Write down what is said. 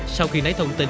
sau khi lấy thông tin